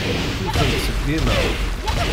Ur ten-ttṣeggimeɣ.